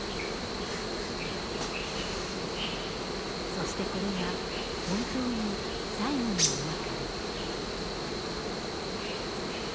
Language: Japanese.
そして、これが本当に最後のお別れ。